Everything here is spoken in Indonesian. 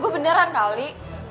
gue beneran kali